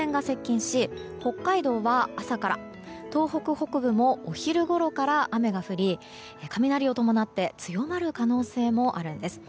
明日は前線が接近し北海道は朝から東北北部もお昼ごろから雨が降り雷を伴って強まる可能性もあるんです。